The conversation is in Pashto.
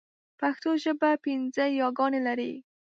پښتو ژبه پنځه ی ګانې لري.